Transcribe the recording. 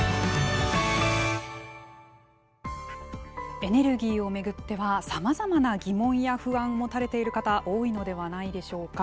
エネルギーを巡ってはさまざまな疑問や不安を持たれている方多いのではないでしょうか。